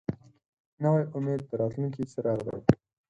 نوی امید د راتلونکي څراغ دی